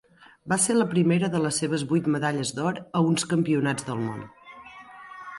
Va ser la primera de les seves vuit medalles d'or a uns Campionats del Món.